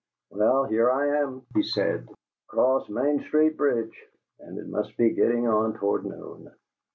"Well, here I am," he said. "Across Main Street bridge and it must be getting on toward noon!"